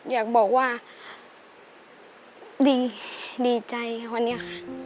อยากบอกว่าดีใจค่ะวันนี้ค่ะ